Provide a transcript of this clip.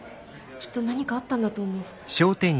きっと何かあったんだと思う。